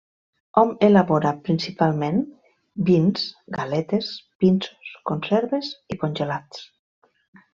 Hom elabora, principalment, vins, galetes, pinsos, conserves i congelats.